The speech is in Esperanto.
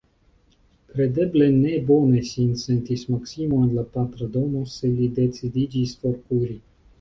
Kredeble, ne bone sin sentis Maksimo en la patra domo, se li decidiĝis forkuri.